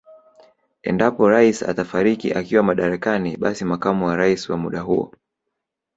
Endapo Rais atafariki akiwa madarakani basi makamu wa Rais wa muda huo